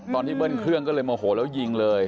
เบิ้ลเครื่องก็เลยโมโหแล้วยิงเลย